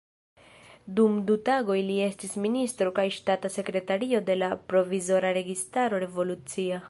Dum du tagoj li estis ministro kaj ŝtata sekretario de la provizora registaro revolucia.